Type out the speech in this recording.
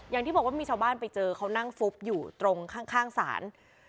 อย่างที่บอกว่ามีชาวบ้านไปเจอเขานั่งฟุบอยู่ตรงข้างศาล